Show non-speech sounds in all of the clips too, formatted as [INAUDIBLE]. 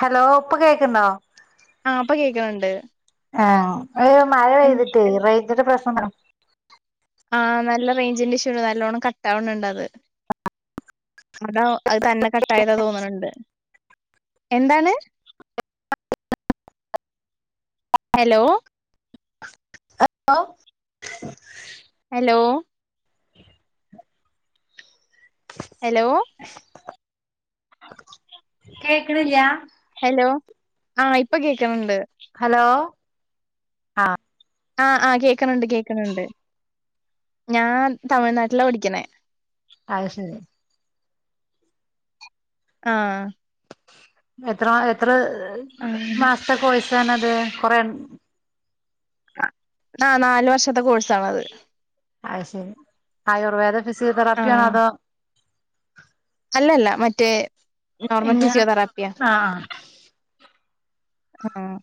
Hello ഇപ്പോ കേൾക്കുന്നോ ആഹ ഇപ്പൊ കേൾക്കുന്നുണ്ട് ആ മഴ പെയ്തിട്ട് റേഞ്ചിന്റെ പ്രശ്നം ആ നല്ല റേഞ്ചിന്റെ ഇഷ്യണ്ട് നല്ലണ്ണം കട്ടാവണ് ഉണ്ട് അത് ഇവിടെ അത് തന്നെ കട്ട ആയതാ തോന്നണണ്ട് എന്താണ് ഹലോ ഹലോ ഹലോ ഹലോ കേക്കണില്ലാ ഹലോ ആഹ് ഇപ്പൊ കേക്കണണ്ട് ഹലോ ആഹ് ആഹ് ആഹ് കേക്കണണ്ട് കേക്കണണ്ട് ഞാൻ തമിഴ്നാട്ടിലാ പഠിക്കണെ അത് ശരി ആഹ് എത്ര മാ എത്ര അങ്ങനെ സത്തെ കോഴ്‌സാണത് കൊറെണ്ട് ആഹ് നാല് വർഷത്തെ കോഴ്സാണത് അത് ശരി ആയുർവേദ ഫിസിയോതെറാപ്പിയാണോ ആഹ് അതോ? അല്ലല്ല മറ്റേ നോർമൽ ഇങ്ങ ഫിസിയോതെറാപ്പിയാ ആഹ് ആഹ്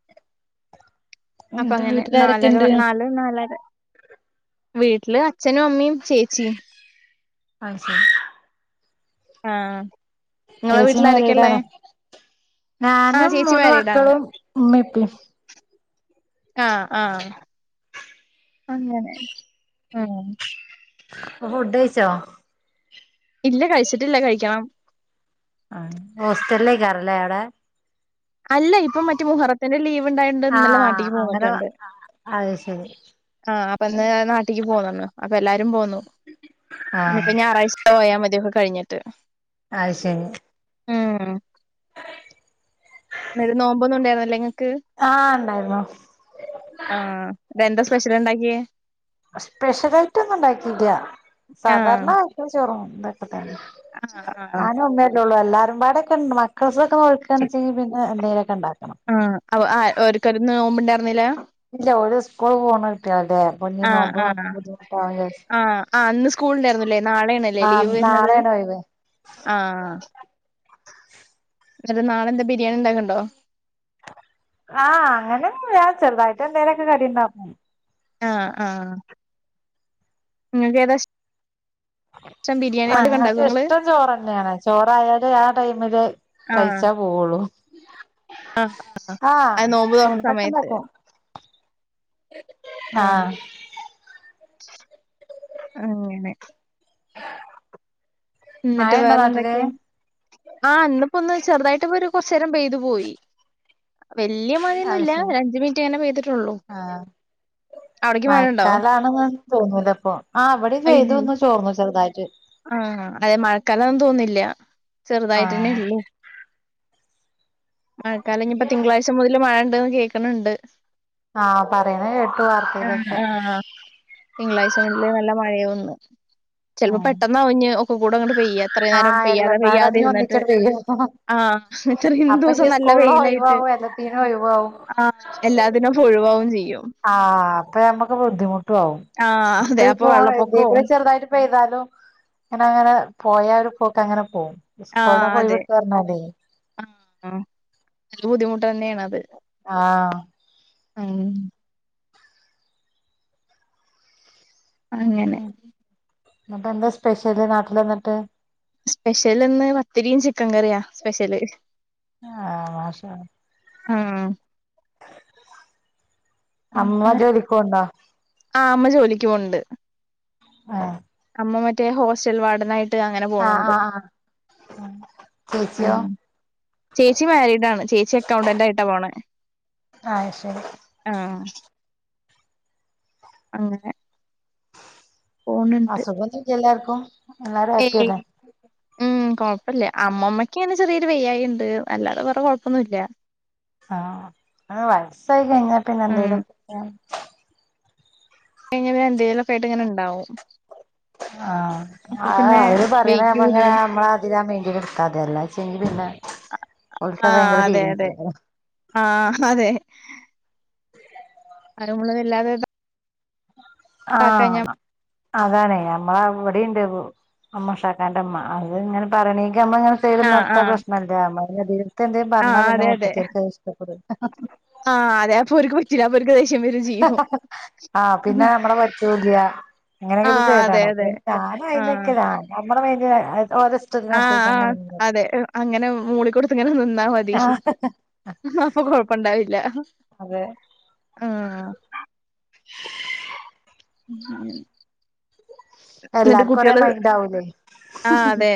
അപ്പ എന്നിട്ട് അങ്ങനെ നാല് വീട്ടിലാരൊക്കെണ്ട് നാലര നാലര വീട്ടില് അച്ഛനും അമ്മയും ചേച്ചിയും അയ് ശരി ആഹ് ഇങ്ങളെ ചേച്ചി വീട്ടിലാരൊക്കെള്ളേ മാരീടാണോ ആഹ് ഞാനും ചേച്ചി മൂന്ന് മാരീഡാണ് മക്കളും ഉമ്മി ഉപ്പി. ആഹ്, ആഹ് അങ്ങനെ ആഹ്. ഹുഡയിച്ചോ? ഇല്ല കഴിച്ചിട്ടില്ല കഴിക്കണം. ആഹ് ഹോസ്റ്റലിലായ്ക്കാരം ല്ലേ ആടെ? അല്ല ഇപ്പൊ മറ്റേ മുഹറത്തിന്റെ ലീവ് ഇണ്ടായോണ്ട് ഇന്നലെ ആഹ് നാട്ടീക്ക് അങ്ങനെ പോന്നിട്ടുണ്ട്. അത് ശരി ആഹ് അപ്പൊന്ന് നാട്ടിക്ക് പോന്ന്ണ് അപ്പൊ എല്ലാരും പോന്നു ഇനി ആഹ് ഇപ്പൊ ഞായറാഴ്ച്ച പോയാ മതിയൊക്കെ കഴിഞ്ഞിട്ട്. അയ് ശെരി ഉം ളന്ന്ട്ട് നോമ്പൊന്നും ഇണ്ടായിരുന്നില്ലേ ഇങ്ങക്ക്? ആഹ് ഇണ്ടായിരുന്നു. ആഹ് ഇതെന്താ സ്പെഷ്യൽ ഇണ്ടാക്കിയേ? സ്പെഷ്യലായിട്ട് ഒന്നും ഇണ്ടാക്കീല്ലാ ആഹ് സാധാരണ ചോറും ഇതൊക്കെ തെന്നെ. ആഹ് ആഹ് ഞാനും അമ്മയല്ലൊള്ളു എല്ലാരും പാടൊക്കെ ഇണ്ട് മക്കൾസ് ഓൽക്കാണെച്ചെങ്കി പിന്നെ എന്തെലൊക്കെ ഇണ്ടാക്കണം. ആഹ് ഔ അ ഓര്ക്കര് നോമ്പ് ഇണ്ടായിരുന്നില്ലാ? ഇല്ല ഓല് ഉസ്കൂള് പോണ കുട്ട്യേളല്ലേ? അപ്പോഞ്ഞി ആഹ് നോമ്പ് ആഹ് നോറ്റാ ബുദ്ധിമുട്ടാവും വിജാരിച്ച് ആഹ് ആഹ് ഇന്ന് സ്കൂൾ ഉണ്ടായിരുന്നില്ലേ നാളെയാണല്ലേ ലീവ് ആഹ് വരുന്നത് നാളെയാണ് വയ് വെ ആഹ് ഇന്നട്ട് നാളെന്താ ബിരിയാണി ഇണ്ടാക്ക്ണ്ടോ? ആഹ് അങ്ങനൊന്നുല്ലാ ചെറുതായിട്ട് എന്തേലൊക്കെ കടി ഇണ്ടാക്കും. ആഹ്, ആഹ് ഇങ്ങക്ക് ഏതാഷ് ഉണ്ടാക്കോ ഞങ്ങൾക്ക് ഇങ്ങള് ഇഷ്ട്ടം ചോറെന്നെയാണ് ചോറായാല് ആ ടൈമില് ആഹ് കൈച്ചാ പോവൊള്ളൂ ആഹ് അത് നോമ്പ് തുറന്ന ഫുടൊക്കെ സമയത്ത് ഇണ്ടാക്കും. ആഹ് അങ്ങനെ എന്നിട്ട് മായണ്ടോ നാട്ടില്? വേറെന്തൊക്കെയാ ആഹ് ഇന്ന്പ്പോ ഒന്ന് ചെറുതായിട്ട് ഇപ്പൊരു കൊർച്ചേരം പെയ്ത് പോയി. വെല്ല്യ മയൊന്നും അത് ഇല്ല ശരി ഒരഅഞ്ച് മിൻറ്റ് അങ്ങനെ പെയ്തിട്ടൊള്ളൂ. ആഹ് മയക്കാലാണന്നും തോന്നൂലഇപ്പൊ ആഹ് അവിടെഇന്ന് അയ്യോ ഒന്ന് ചോർന്നു ചെറുതായിട്ട്. ആഹ് അതെ മഴക്കാലാന്നും തോന്നില്ല ചെറുതായിട്ട്ന്നെ ആഹ് ഇള്ളു. മഴക്കാലം ഇഞ്ഞി ഇപ്പൊ തിങ്കളാഴ്ച മുതൽ മഴ ഇണ്ട്ന്ന് കേൾക്ണ് ണ്ട്. ആഹ് പറയുന്ന കേട്ടു ആഹ് വാർത്തീലൊക്കെ. ആഹ് തിങ്കളാഴ്ച മുതില് ന്നല്ലെ മഴേ ഒന്ന് ചില്പ്പോ പെട്ട് ഉം പെട്ടെന്നാവും ഇഞ്ഞ് ഒക്കെ കൂടെ അങ്ങട്ട് പെയ്യ എത്ര നേരം ആഹ് പെയ്യാതെ എല്ലാംപാടെ പെയ്യാതെ ഇഞ്ഞ് ഇരിനിട്ട്. ഒന്നിച്ചട് പെയ്യും ആഹ് ഇത്രീ അപ്പൊ ദൂസം ഇഞ്ഞ് ന്നല്ലെ സ്കൂളിനും വെയിലായിട്ട് ഒഴിവാവും എല്ലാത്തിനും ഒഴിവാവും ആഹ് എല്ലാത്തിനും ഫൊഴിവാവും ചെയ്യും. ആഹ് അപ്പൊ ഞമ്മക്ക് ബുദ്ധിമുട്ടും ആവും ആ ഇപ്പ അതെ അപ്പൊ യിപ്പോ ഇതീകുടെ വെള്ളപ്പൊക്കവും ചെറുതായിട്ട് പെയ്താലും ഇങ്ങനെ, ഇങ്ങനെ പോയ ഒരു പോക്ക് അങ്ങനെപോവും. ആഹ് അതെ ആഹ് ന്നല്ലെ ബുദ്ധിമുട്ടെന്നെണ് അത്. ആഹ് ഉം അങ്ങനെ ഉം ന്നെട്ടെന്താ സ്പെഷ്യല് നാട്ടില് വന്നിട്ട്? സ്പെഷ്യൽ ഇന്ന് പത്തിരീം ചിക്കെൻ കറിയാ സ്പെഷ്യല്. ആഹ് മാഷാ ഉം അമ്മ ജോലിക്ക് പോവ്ണ്ടോ? ആഹ് അമ്മ ജോലിക്ക് പോവ്ണ്ട്. ഏഹ് അമ്മ മറ്റേ ഹോസ്റ്റൽ വാർഡനായിട്ട് അങ്ങനെ പോണ് ആഹ് ഇണ്ട്. ആഹ് ആഹ് ആഹ് ചേച്ചിയോ ഉം ചേച്ചി മാരിഡാണ് ചേച്ചി അക്കൗണ്ടന്റ് ആയിട്ടാ പോണേ ആഹ് ശരി ആഹ് അങ്ങനെ ആഹ സുഖന്ന എല്ലാർക്കും എല്ലാരും ഹാപ്പി ഏഹ് അല്ലേ ഉം കൊഴപ്പമില്ലേ അമ്മമ്മക്ക ഇങ്ങനെ ചെറിയൊരു വയ്യായി ഉണ്ട് അല്ലാതെ വേറെ കൊഴപ്പൊന്നുമല്ല ആഹ അ വയസ്സായി കഴിഞ്ഞാ പിന്നെ ഉം എന്തലൊക്കെ കഴിഞ്ഞെ എന്തേലൊക്കെയിട്ട്ങ്ങനെ ഉണ്ടാവും ആഹ് ആഹ് അവര് വെയ്ക്കൂല്ല പറയണങ്ങനെ നമ്മള അതിലാ മെണ്ടില് എടുത്താതെ എല്ലാച്ചി പിന്നെ ഓൾക്ക് ആഹ് ഭയങ്കര അതെ ഫീലിങ്സ അതെ ആഹ് അതെ ആരുള്ളതല്ലാതെ ആഹ് അതാണ് നമ്മള അവിടെണ്ട് അമ്മഷാക്കാൻന്റെ അമ്മ അത് ഇങ്ങനെ പറഞ്ഞീക്കമ്മ ഇങ്ങനെ ആഹ് ർത്ത ആഹ് പ്രശ്നമല്ല അമ്മീത്തെ എന്തും പറഞ്ഞാ ആഹ് പിന്നെ അതെ അതെ മുപ്പത്തിയ ഇഷ്ടപ്പെട ആഹ് അതെ അപ്പോരാക്ക് ആ ഹ് പിന്നെ നമ്മടെ പരിച്ചുപോക്കിയ [INAUDIBLE] അങ്ങനെക്കെ ഇത് ആഹ് അതെ ചെയ്താണോ അതെ [UNINTELLIGIBLE] ഞാനും ആഹ് അയിനെക്കെ [UNINTELLIGIBLE] ആ ആ അതെ അങ്ങനെ മൂളികൊട്ത്ത് ഇങ്ങനെ നിന്നാ മതി അപ്പൊ കൊഴപ്പ ഇണ്ടാവില്ല അതെ ഉ അല്ലാർക്കും ഒരെ മൈൻഡ് ആവൂലേ ആഹ് അതെ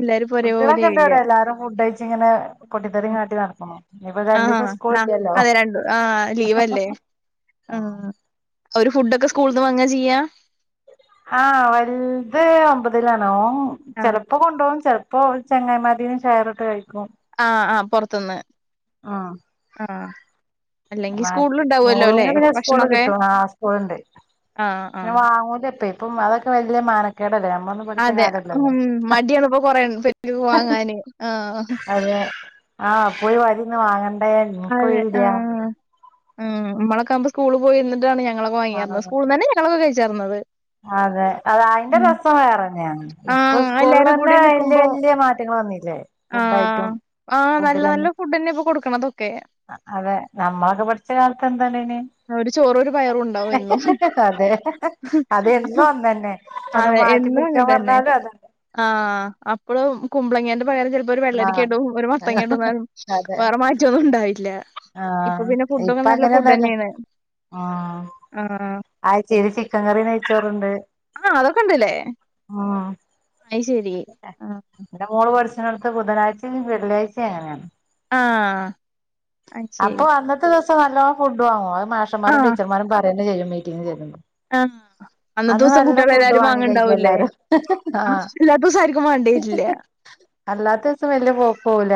എല്ലാരും ഇപ്പൊ കുട്ടിഴളക്ക ഇണ്ട് ഒരേപോലെയാവില്ല ഇവടെ എല്ലാരും ഫുഡ് കഴിച്ച് ഇങ്ങനെ പൊട്ടിത്തെറിം കാട്ടി നട്ക്ക്ണു ഇഞ്ഞിപ്പ രണ്ടീസം ആഹ് സ്കൂൾ ന ഇല്ല്യല്ലോ അതെ രണ്ടു ആഹ് ലീവല്ലേ ആ ഒരു ഫുഡക്കെ സ്കൂൾന്ന് വാങ്ങ ചെയ്യാ ആ വൽത് ഒമ്പതിലാണ് ഓൻ ആഹ് ചെലപ്പോ കൊണ്ടവും ചെൽ പ്പോ ചെങ്ങായിമാരെന്ന് ഷെയറ് ഇട്ട് കഴിക്കും ആ ആ പോർത്ത്ന്ന് ആഹ് ആ മോളൂന് പിന്നെ സ്കൂൾള് ഭക്ഷണൊക്കെ കിട്ടും ആ സ്കൂള്ണ്ട് ആഹ് അത് ആഹ് വാങ്ങൂലപ്പെ ഇപ്പം അതൊക്കെ വല്ല്യ മാനക്കേടല്ലേ നമ്മള് അതെ ഉം മടിയാണ് ഇപ്പോ കൊറ [UNINTELLIGIBLE] വാങ്ങാന് ആ [UNINTELLIGIBLE] ആ പോയി വരിന്ന് വാങ്ങൻ അതെ ആ ഉം നമ്മളൊക്ക ആവുമ്പോ സ്കൂള് പോയിര്ന്ന്ട്ടാണ് ഞങ്ങളൊക്ക വാങ്ങിയാര്ന്നത് ആഹ് സ്കൂൾന്നന്നെ [UNINTELLIGIBLE] വ് കയിചാർന്നത് അതെ അത അയിന്റെ രസം വേറെന്നെണ് ഇപ്പ ആഹ് എല്ലാരും കൂടി സ്കൂൾലന്നെ വല്യ നിക്കുമ്പോ വല്യ മാറ്റങ്ങള് വന്നീല്ലേ ഫുഡായിറ്റും ആ നല്ല നല്ല ഫുഡന്നെ ഇപ്പൊ കൊടുക്ക്ണതൊക്കെ അതെ നമ്മളക്ക പഠിച്ച കാലത്ത് എന്താ ഇണ്ടായിനിയെ ഒരു ചോറും ഒരു പയറും ഉണ്ടാവും എന്നും അതെ അത് എന്നും ഒന്നന്നെ ഒന്ന് മാറ്റി പിടിചാൻ പർ ആ അപ്പളും കുമ്പളങ്ങ്യന്റെ പയറ് ചെൽ ഒരു വെള്ളരിക്യ ആഹ് ഇടും ഒരു മത്തങ്ങ്യ ഇടും ന്നാലും അതെ വേറ മാറ്റന്നും ഉണ്ടാവില്ല ഇപ്പൊ ആഹ് പിന്നെ ഫുഡൊക്കെ ഇപ്പ നല്ല അങ്ങനെയൊന്നല്ല ഫുഡന്നെണ് ആ ആയ്ചെല് ചിക്കൻ കറി നെയ്ച്ചോറ് ഇണ്ട് ആ അതൊക്ക ഇണ്ട് ലെ ആ അയ് ശരി ആ ഇന്റെ മൊള് പട്ച്ച്ണോട്ത്ത് ബുധനാഴ്ച്ചിം വെള്ളിയാഴ്ച്ചിം അങ്ങനെണ് ആഹ് അത് അപ്പൊ ശരി അന്നത്തെ ദിവസം നല്ലോം ഫുഡ് വാങ്ങോ മാഷമാരും ആഹ് ടീച്ചർമാരും പറയന്നെ ചെയ്യും മീറ്റിംഗ് ന് ചെല്ലുമ്പോ ആഹ് അന്നത്തെ അന്ന് ദിവസം നല്ല കുട്ടികള് ഫുഡ് എല്ലാരും വാങ്ങി കഴിക്കും എല്ലാരും ആ ഇല്ലാത്ത ദിവസം ആര്ക്കും വാണ്ടിയര്ല്ല അല്ലാത്ത ദിവസം വല്ല്യ പൊ പോവുല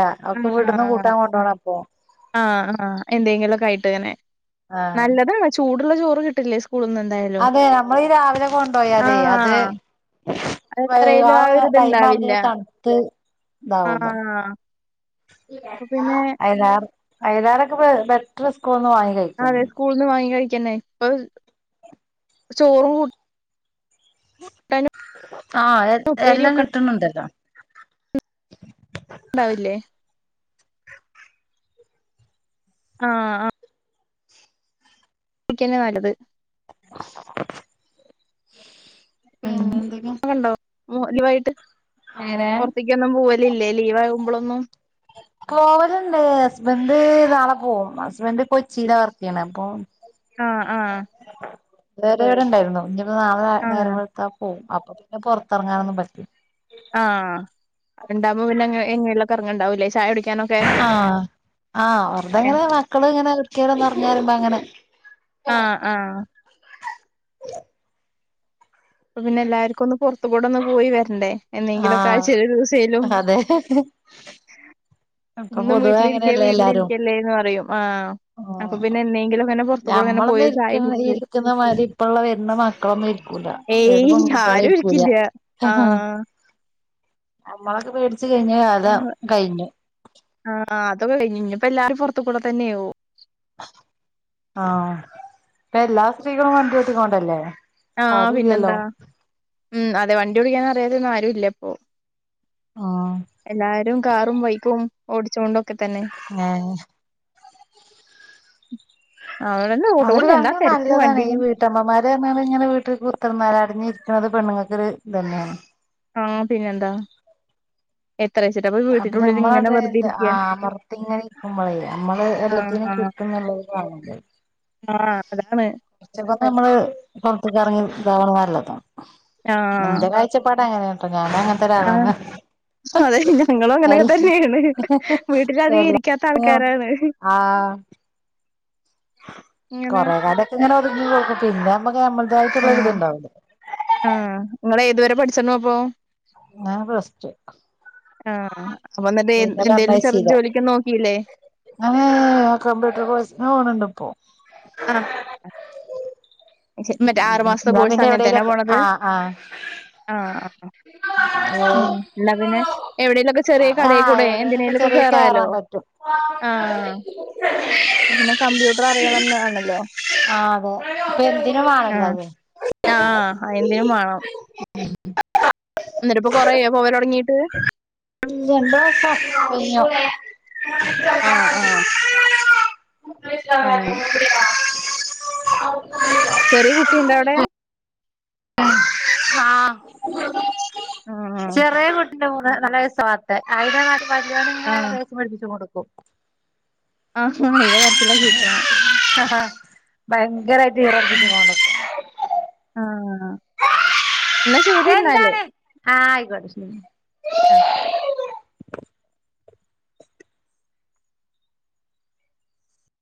ആ ആ ആ എന്തെങ്കിലൊക്ക ആയിട്ട് ഇങ്ങനെ ആഹ് നല്ലതാണ് ചൂട്ള്ള ചോറ് കിട്ടില്ലേ സ്കൂള്ന്ന് എന്തായാ അതെ നമ്മളീ രാവിലെ കൊണ്ടോയാലേ അത് ആഹ് [UNINTELLIGIBLE] ആ അതെത്രേലും ഒര് ഒരു ടൈമ് ഇത്ണ്ടാവില്ല ആവുമ്പത്തിന് തൺത്ത് ഇതാവുന്ന് ആഹ് അപ്പൊ പിന്നെ അയ്ലാറ് അയലാറെക്കെ ബെറ്റർ സ്കൂള്ന്ന് വാങ്ങി കഴി അതെ സ്കള്ന്ന് വാങ്ങി കഴിക്കന്നേ ഇപ്പൊ ചോറ് കൂ ആഹ് ഉപ്പേരി എല്ലം ഒക്കെ കിട്ടുണ് ഇണ്ടല്ലോ ഉണ്ടാവില്ലേ ആഹ് ആഹ് [UNINTELLIGIBLE] തന്നെ നല്ലത് [INAUDIBLE] ഉം പിന്നെന്തൊക്കെ ഉണ്ടോ [UNINTELLIGIBLE] അങ്ങനെ പുറത്ത്ക്ക് ഒന്നും പോവല് ഇല്ലേ ലീവ് ആകുമ്പോളൊന്നും പോവലുണ്ട് ഹസ്ബൻഡ് നാളെ പോക്കും ഹസ്ബൻഡ് കൊച്ചിയിലെ വർക്ക് ചെയ്യണ് അപ്പോ ഉം ആഹ് ആഹ് വേറെ ഇവിടെ ഉണ്ടായിരുന്നു ഇഞ്ഞിപ്പോ നാളെ ആഹ് നേരമ്പോ അ പോവും അപ്പൊ പിന്നെ പുറത്തിറങ്ങാനൊന്നും പറ്റി ആഹ് ഉണ്ടാകുമ്പോ പിന്നെ എങ്ങനെയുള്ള കറങ്ങങ്ണ്ടാവൂല്ലേ ചായ കുടിക്കാനൊക്കെ ആഹ് ആഹ് വെറുതെങ്ങനെ മക്കള് ഇങ്ങനെ എവിടേക്കേലും ഒന്ന് എറങ്ങാ പറിയുബോ അങ്ങനെ ആഹ് ആഹ് അപ്പം പിന്നെ എല്ലാർക്കും ഒന്ന് പുറത്ത കൂടെ ഒന്ന് പോയി വരണ്ടേ എന്നെങ്കിലൊക്കെ ആഹ് ആയ്ച്ചയില് ഒര് ദിവസേയിലും അതെ ഇപ്പൊ എന്നും പൊതുവെ വീട്ടിലിരിക്ക അങ്ങനെയല്ലേ വീട്ടിലിരിക്കല്ലേന്ന് പറയും ആഹ് അപ്പൊ ആഹ് പിന്നെ എന്നെങ്കിലൊക്കെങ്ങനെ പൊറത്തു കൂടെ ഇങ്ങനെ ഞമ്മളൊന്നും പോയി ഒരു ചായ ഇരിക്ക കുടിച്ച് വരും ഇരിക്കുന്ന മാതിരി ഇപ്പള്ള വരുന്ന മക്കളൊന്നും ഇരിക്കൂല ഏത് ഏയ് പെൺ കൂട്ടിആളും ആരും ഇരിക്കൂല ഇരിക്കില്ല ആഹ് ഞമ്മളൊക്കെ പേടിച്ചു കഴിഞ്ഞ കാലം ആഹ് കഴിഞ്ഞു ആഹ് അതൊക്കെ കഴിഞ്ഞു ഇനിയിപ്പോ എല്ലാരും പുറത്ത്കൂടെ തന്നെയാവും ആ ഇപ്പൊ എല്ലാ സ്ത്രീകളും വണ്ടി ഓട്ടിക്കോണ്ടല്ലേ ആഹ് പിന്നെന്താ ഉം അതെ വണ്ടി ഓടിക്കാന അറിയാതെ ഒന്നും ആരു ഇല്ല ഇപ്പൊ ആഹ് എല്ലാരും കാറും ബൈക്കും ഓടിച്ചൊണ്ട് ഏഹ് അവ്ട്ന്ന് അതൊരു കണക്ക്ന് നല്ലതാണ് ഈ വീ വീട്ടമ്മമാര് പറാഞാല് ഇങ്ങെനെ വീട്ടിൽ കുത്ത്ർന്നാല് അടിഞ്ഞിരിക്കുന്നത് പെണ്ണുങ്ങൾക്ക് ഒര് ഇതെന്നെയാണ് ആഹ് പിന്നെന്താ എത്ര വെച്ചിട്ടാ അപ്പൊ അപ്പെ വീട്ടിനുള്ളിൽ നമ്മളെ ഇങ്ങനെ വെറുതെ ഇങ്ങട്ട് ഇരിക്ക ആ അമർത്തി ഇങ്ങനെ ഇരിക്കുമ്പോളേയ് നമ്മള് ആ എല്ലാത്തിനും കി [UNINTELLIGIBLE] ഞങ്ങക്ക് ആഹ് അതാണ് ഉച്ചകെക്കെ നമ്മള് പുറത്ത്ക്ക് ഇറങ്ങി ഇതാവ്ണത് നല്ലതാ ആ ഇന്റെ കാ കയ്ച്ചപ്പാട് അങ്ങനെയ ഞാന് അങ്ങനത്തെ ആ ഒരാളാണ് അതെ ഞങ്ങളും അങ്ങനെയൊക്കെ എല്ല തന്നെയാണ് വീട്ടിലധികം ഇരിക്കാത്ത ആൾക്കാരാണ് ആഹ് ഇങ്ങനെ കുറെ കാലൊക്കെ ഇങ്ങനെ ഒതുങ്ങി കെടുക്കും പിന്നെ നമ്മക്ക് നമ്മളുടെതായിട്ടുള്ള ഒര് ഇതുണ്ടാവുല്ലോ ആഹ് ഇങ്ങൾ ഏതുവരെ പഠിച്ച്ണ് അപ്പോ ഞാൻ പ്ലസ് റ്റു ആഹ് അപ്പൊ എന്നിട്ട് എന്തേലും ചെറു പറഞ്ഞയച്ചീല ജോലിക്ക് നോക്കിയില്ലേ ഞാന് കമ്പ്യൂട്ടർ കോഴ്സിന് പോണണ്ട് ഇപ്പോ ആഹ് മറ്റേ ആറു മാസത്തെ എന്നാ കോഴ്സ് പിന്നെ അങ്ങനത്തയ്നാ എവിടേലൊക്കെ പോണത് ആഹ് ആഹ് ആഹ് ഉം എന്നാ പിന്നെ എവിടെേലും ഒക്കെ ചെറിയ കടയിൽ ആഹ് കൂടെ എവിടേലൊക്കെ എന്തിനെലുംക്കെ ചെറിയ കേറാലോ കേറാൻ പറ്റും ആഹ് പിന്നെ കമ്പ്യൂട്ടർ അറിയണംന്നാണല്ലോ ആഹ് അതെ പ്പം എന്തിനു വേണല്ലോ ആഹ് അത് ആഹ് അയന്റ്യേം വാണം [UNINTELLIGIBLE] അന്നേരപ്പം കുറേയാ പോവലൊട്ങ്ങിട്ട് [UNINTELLIGIBLE] ആഹ് ആഹ് അങ്ങനെ [UNINTELLIGIBLE] ചെറിയ കുട്ടിണ്ട അവിടെ ആഹ് ആഹ് ചെറിയ [UNINTELLIGIBLE] വലിയവൻ ഇങ്ങനെ ആഹ് ദേഷ്യം പിടിപ്പിച്ച്ങ്ങോണ്ടിരിക്കും ആഹ് ആഹ് അയിന്റെ കരച്ചില കേക്ക്ണെ ആഹാ ഭയങ്കരായിറ്റ് ഈറടിപ്പിച്ചുങ്ങോണ്ട ആഹ് എന്നാ ശരി എന്നാല് എന്താണ് ആഹ് ആയിക്കോട്ടെ ശരി ആഹ്